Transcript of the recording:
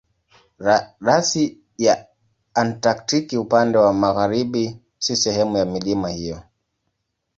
Rasi ya Antaktiki upande wa magharibi si sehemu ya milima hiyo.